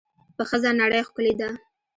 په ښځه نړۍ ښکلې ده.